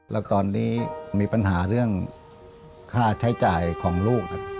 แล้วตอนนี้มีปัญหาเรื่องค่าใช้จ่ายของลูกครับ